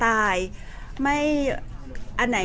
แต่ว่าสามีด้วยคือเราอยู่บ้านเดิมแต่ว่าสามีด้วยคือเราอยู่บ้านเดิม